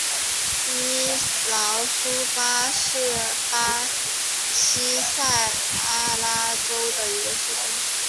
伊劳苏巴是巴西塞阿拉州的一个市镇。